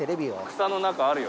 草の中あるよ。